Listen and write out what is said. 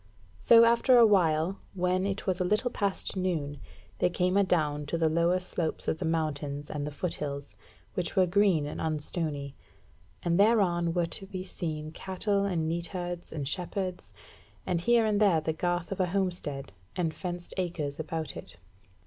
So after a while, when it was a little past noon, they came adown to the lower slopes of the mountains and the foot hills, which were green and unstony; and thereon were to be seen cattle and neatherds and shepherds, and here and there the garth of a homestead, and fenced acres about it.